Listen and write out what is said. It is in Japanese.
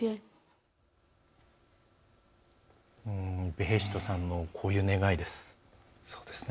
ベヘシタさんのこういう願いです。